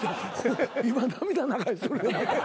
今涙流しとるよ。